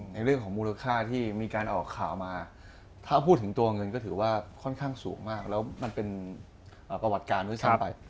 ในเรื่องของมูลค่าที่มีการออกข่าวมาถ้าพูดถึงตัวเงินก็ถือว่าค่อนข้างสูงมากแล้วมันเป็นประวัติการด้วยซ้ำไป